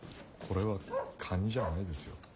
これはカニじゃないですよ。